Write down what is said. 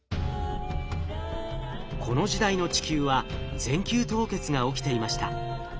この時代の地球は全球凍結が起きていました。